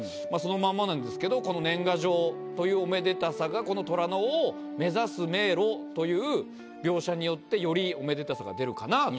そのまんまなんですけどこの年賀状というおめでたさがこの「寅の尾を目指す迷路」という描写によってよりおめでたさが出るかな。